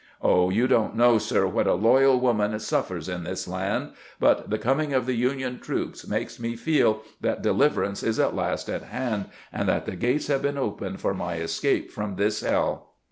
Oh, you don't know, sir, what a loyal woman suffers in this land ; but the coming of the Union troops makes me feel that deliverance is at last at hand, and that the gates have been opened for my escape from this hell."